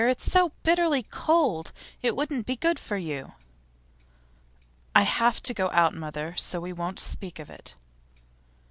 It's so bitterly cold. It wouldn't be good for you.' 'I have to go out, mother, so we won't speak of it.